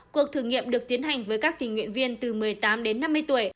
cuộc thử nghiệm được tiến hành với các tình nguyện viên từ một mươi tám đến năm mươi tuổi